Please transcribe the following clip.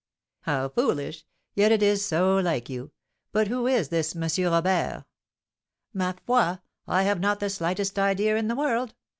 "How foolish! Yet it is so like you! But who is this M. Robert?" "Ma foi! I have not the slightest idea in the world.